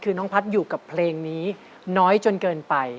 คือน้องพัฒน์อยู่กับเพลงนี้น้อยจนเกินไป